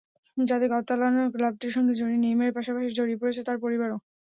যাতে কাতালান ক্লাবটির সঙ্গে জড়িয়ে নেইমারের পাশাপাশি জড়িয়ে পড়েছে তাঁর পরিবারও।